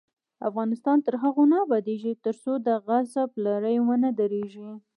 افغانستان تر هغو نه ابادیږي، ترڅو د غصب لړۍ ونه دریږي.